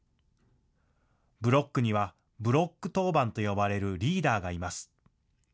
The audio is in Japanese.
ブロックにはブロック当番と呼ばれるリーダーがいます。